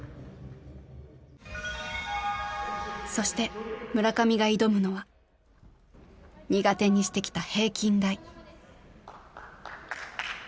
そして村上が挑むのは苦手にしてきた平均台。